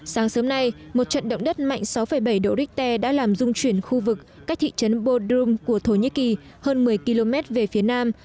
sáng sớm nay một trận động đất mạnh sáu bảy độ richter đã làm dung chuyển khu vực cách thị trấn bodurom của thổ nhĩ kỳ hơn một mươi km về phía nam